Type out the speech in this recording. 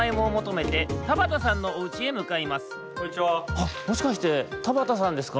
あっもしかして田畑さんですか？